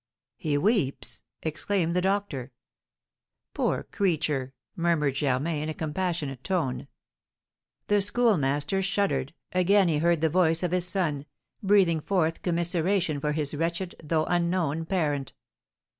"He weeps!" exclaimed the doctor. "Poor creature!" murmured Germain, in a compassionate tone. The Schoolmaster shuddered; again he heard the voice of his son, breathing forth commiseration for his wretched, though unknown parent.